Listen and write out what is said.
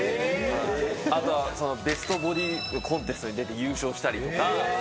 あとベストボディコンテストに出て優勝したりとか。